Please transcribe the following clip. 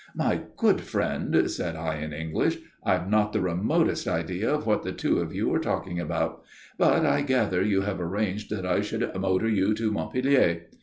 "My good friend," said I in English, "I've not the remotest idea of what the two of you are talking about; but I gather you have arranged that I should motor you to Montpellier.